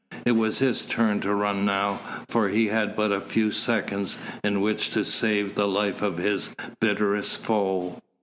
It was his turn to run now, for he had but a few seconds in which to save the life of his bitterest foe.